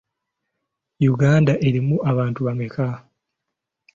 Uganda erimu abantu bameka?